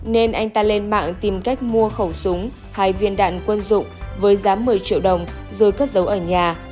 nên anh ta lên mạng tìm cách mua khẩu súng hai viên đạn quân dụng với giá một mươi triệu đồng rồi cất giấu ở nhà